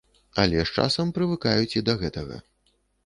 Але з часам прывыкаюць і да гэтага.